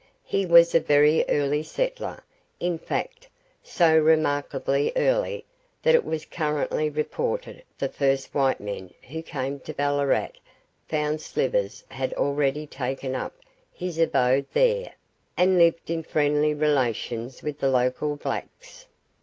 He was a very early settler; in fact, so remarkably early that it was currently reported the first white men who came to Ballarat found Slivers had already taken up his abode there, and lived in friendly relations with the local blacks.